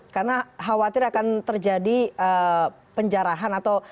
karena khawatir akan terjadi penjarahan atau